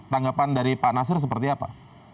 tanggapan dari pak nasir seperti apa